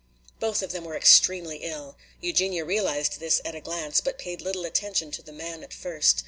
Both of them were extremely ill. Eugenia realized this at a glance, but paid little attention to the man at first.